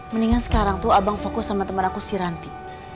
mendingan sekarang tuh abang fokus sama temen aku siranti